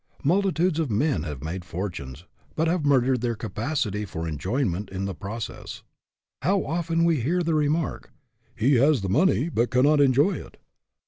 Multitudes of men have made fortunes, but have murdered their capacity for enjoyment in the process. How often we hear the re mark, " He has the money, but cannot enjoy it."